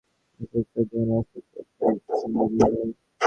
অনস্তিত্ব হইতে কোন অস্তিত্বের উদ্ভব সম্ভব নহে।